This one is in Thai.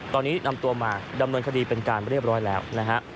ตอนนี้นำตัวมาดำเนินคดีเป็นการเรียบร้อยแล้วนะฮะ